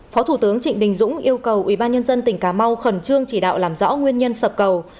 phó thủ tướng trịnh đình dũng yêu cầu ubnd tỉnh cà mau khẩn trương chỉ đạo làm rõ nguyên nhân sập cầu